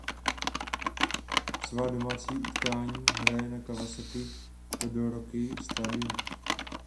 Svá domácí utkání hraje na Kawasaki Todoroki Stadium.